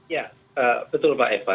ya betul pak eva